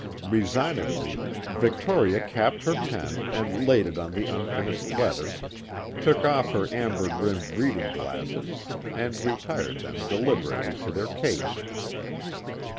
Resignedly, Victoria capped her pen and laid it on the unfinished letter; took off her amber rimmed reading glasses and retired them deliberately to their case.